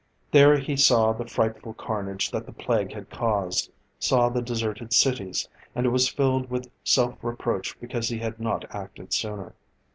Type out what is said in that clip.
There he saw the frightful carnage that the Plague had caused, saw the deserted cities and was filled with self reproach because he had not acted sooner.